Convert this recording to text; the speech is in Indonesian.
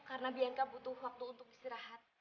karena bianca butuh waktu untuk istirahat